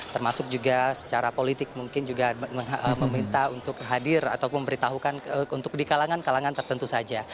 termasuk juga secara politik mungkin juga meminta untuk hadir atau memberitahukan untuk di kalangan kalangan tertentu saja